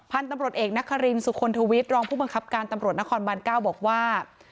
พันธุ์ตำรดเอกนักฮารินสุคคลทวิตรองผู้บังคับการตำรวจนครบานเก้าบอกว่า